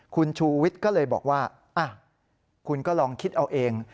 คุณชูวิทย์ก็เลยบอกว่าคุณก็ลองคิดเอาเอง